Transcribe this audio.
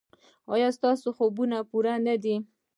ایا ستاسو خوب پوره نه دی؟